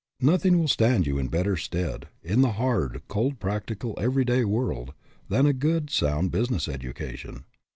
Nothing will stand you in better stead, in the hard, cold practical everyday world, than a good, sound business education.